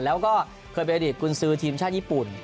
แล้วก็เคยเป็นอดีตกุญซือทีมชาติญี่ปุ่น